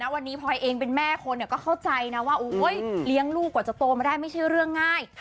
วันนี้พลอยเองเป็นแม่คนก็เข้าใจนะว่าเลี้ยงลูกกว่าจะโตมาได้ไม่ใช่เรื่องง่าย